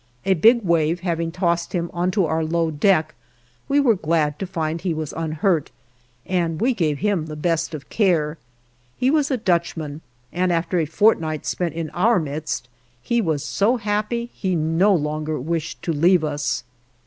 A big wave having tossed him onto our low deck, we were glad to find he was unhurt, and we gave him the best of care. He was a Dutchman, and after a fortnight spent in our midst, he was so happy he no longer wished to leave us.